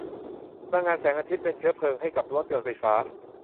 พลังงานแสงอาทิตย์เป็นเชื้อเพลิงให้กับรถยนต์ไฟฟ้า